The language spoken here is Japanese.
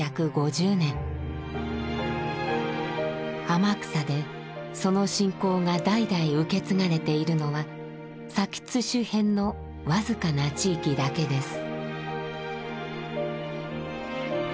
天草でその信仰が代々受け継がれているのは津周辺の僅かな地域だけです。